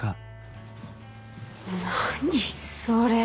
何それ。